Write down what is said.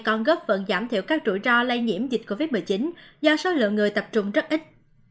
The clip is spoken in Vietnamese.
còn góp phần giảm thiểu các rủi ro lây nhiễm dịch covid một mươi chín do số lượng người tập trung rất ít